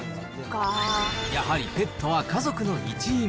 やはりペットは家族の一員。